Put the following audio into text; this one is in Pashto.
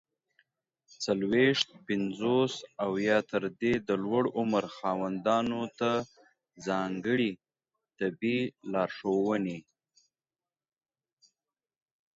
څلوېښت، پنځوس او یا تر دې د لوړ عمر خاوندانو ته ځانګړي طبي لارښووني!